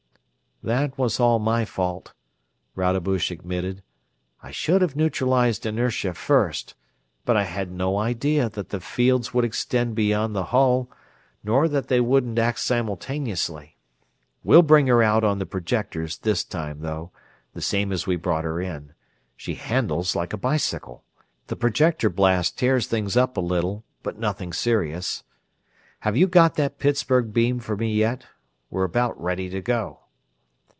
"That was all my fault," Rodebush admitted. "I should have neutralized inertia first, but I had no idea that the fields would extend beyond the hull, nor that they wouldn't act simultaneously. We'll take her out on the projectors this time, though, the same as we brought her in she handles like a bicycle. The projector blast tears things up a little, but nothing serious. Have you got that Pittsburgh beam for me yet? We're about ready to go."